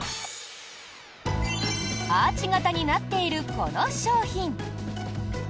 アーチ型になっているこの商品。